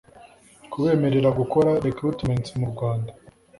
kubemerera gukora recruitments mu Rwanda